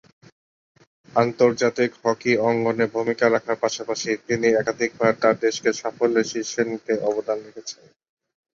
আন্তর্জাতিক হকি অঙ্গনে ভূমিকা রাখার পাশাপাশি তিনি একাধিকবার তার দেশকে সাফল্যের শীর্ষে নিতে অবদান রেখেছেন।